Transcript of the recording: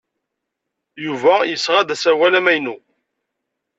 Yuba yesɣa-d asawal amaynu.